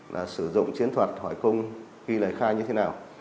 là sử dụng chiến thuật hỏi cung ghi lời khai như thế nào